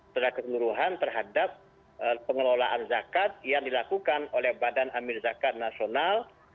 secara keseluruhan terhadap pengelolaan zakat yang dilakukan oleh badan amir zakat nasional